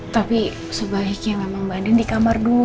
tapi sebaiknya memang mbak adin di kamar dulu